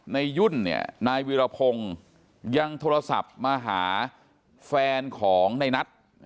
ในยุ่นเนี่ยนายวิรพงศ์ยังโทรศัพท์มาหาแฟนของในนัท